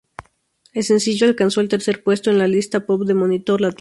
El sencillo alcanzó el tercer puesto en la lista pop de "Monitor Latino".